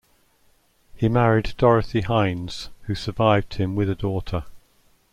He married Dorothy Hines who survived him with a daughter.